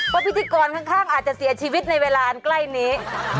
พิธีกรข้างอาจจะเสียชีวิตในเวลาอันใกล้นี้